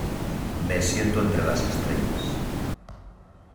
Me siento entre las estrellas